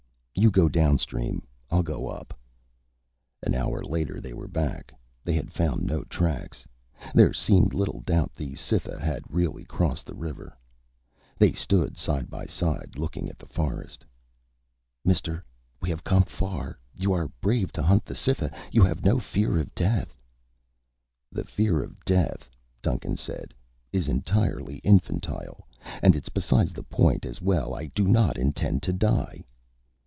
You go downstream. I'll go up." An hour later, they were back. They had found no tracks. There seemed little doubt the Cytha had really crossed the river. They stood side by side, looking at the forest. "Mister, we have come far. You are brave to hunt the Cytha. You have no fear of death." "The fear of death," Duncan said, "is entirely infantile. And it's beside the point as well. I do not intend to die."